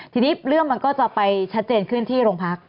ทีนี้เรื่องมันก็จะไปชัดเจนขึ้นที่โรงพัก